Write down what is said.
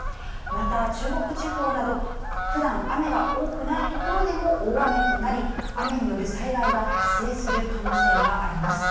また中国地方などふだん雨が多くない所でも大雨となり雨による災害が発生する可能性があります。